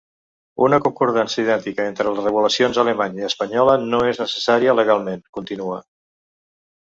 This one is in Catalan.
Una concordança idèntica entre les regulacions alemanya i espanyola no és necessària legalment, continua.